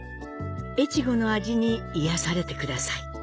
越後の味に癒されてください。